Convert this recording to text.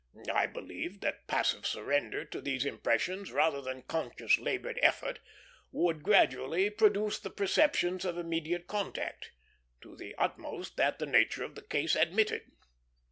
I believed that passive surrender to these impressions, rather than conscious labored effort, would gradually produce the perceptions of immediate contact, to the utmost that the nature of the case admitted.